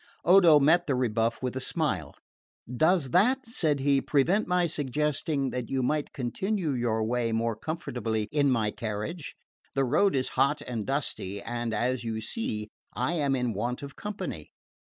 Odo met the rebuff with a smile. "Does that," said he, "prevent my suggesting that you might continue your way more comfortably in my carriage? The road is hot and dusty, and, as you see, I am in want of company."